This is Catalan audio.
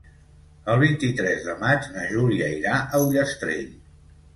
El vint-i-tres de maig na Júlia irà a Ullastrell.